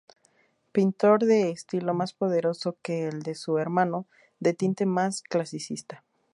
Pintor de estilo más poderoso que el de su hermano, de tinte más clasicista.